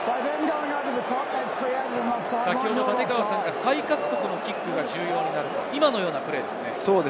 先ほど立川さんが再獲得のキックが重要になると、お話していましたが、今のプレーですね。